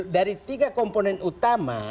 dari tiga komponen utama